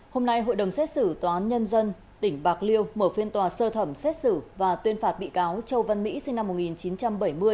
hôm nay hội đồng xét xử tòa án nhân dân tỉnh bạc liêu mở phiên tòa sơ thẩm xét xử và tuyên phạt bị cáo châu văn mỹ sinh năm một nghìn chín trăm bảy mươi